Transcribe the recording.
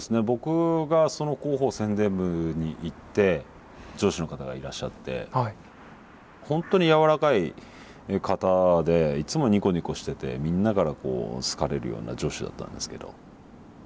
僕がその広報宣伝部に行って上司の方がいらっしゃって本当に柔らかい方でいつもニコニコしててみんなから好かれるような上司だったんですけど。